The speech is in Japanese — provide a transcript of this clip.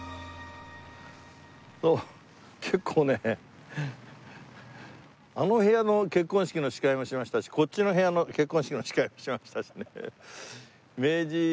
結構ねあの部屋の結婚式の司会もしましたしこっちの部屋の結婚式の司会もしましたしね。